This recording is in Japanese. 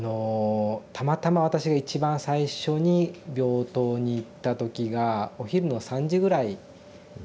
たまたま私が一番最初に病棟に行った時がお昼の３時ぐらいだったんですね。